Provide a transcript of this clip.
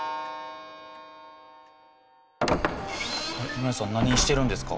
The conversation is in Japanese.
マヤさん何してるんですか？